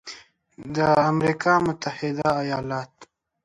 د امریکا متحده ایالات